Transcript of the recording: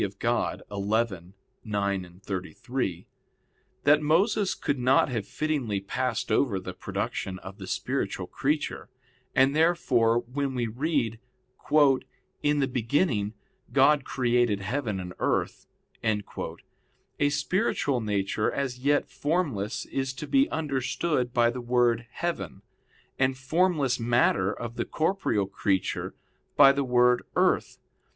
Dei xi, 9,33) that Moses could not have fittingly passed over the production of the spiritual creature, and therefore when we read, "In the beginning God created heaven and earth," a spiritual nature as yet formless is to be understood by the word "heaven," and formless matter of the corporeal creature by the word "earth."